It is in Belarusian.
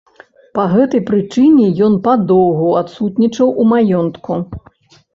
Па гэтай прычыне ён падоўгу адсутнічаў у маёнтку.